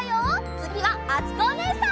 つぎはあつこおねえさん。